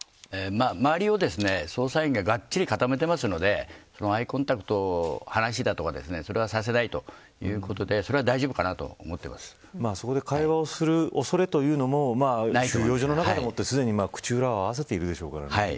周りを捜査員ががっちり固めていますのでアイコンタクトや、話だとかをさせないということでそこで会話をする恐れというのも収容所の中で、すでに口裏を合わせているでしょうからね。